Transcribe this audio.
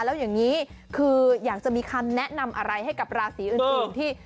แล้วอย่างนี้คืออยากจะมีคำแนะนำอะไรให้กับราศีอื่นที่